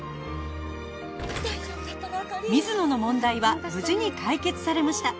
水野の問題は無事に解決されました